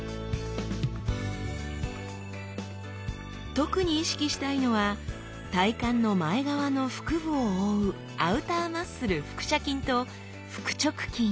特に意識したいのは体幹の前側の腹部を覆うアウターマッスル腹斜筋と腹直筋。